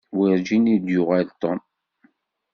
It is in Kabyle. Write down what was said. Werǧin i d-yuɣal Tom.